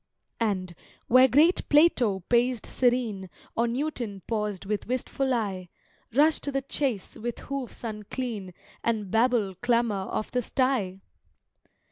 And, where great Plato paced serene, Or Newton paused with wistful eye, Rush to the chace with hoofs unclean And Babel clamour of the sty!